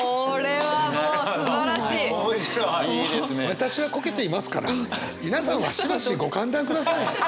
私はこけていますから皆さんはしばしご歓談ください。